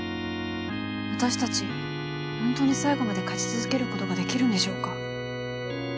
わたしたちホントに最後まで勝ち続けることができるんでしょうか？